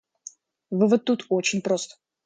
Вывод тут очень прост.